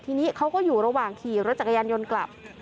ทีนี้เขาก็อยู่ระหว่างขี่รถจักรยานยนต์กลับ